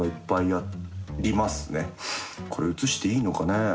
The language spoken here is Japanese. これ映していいのかね。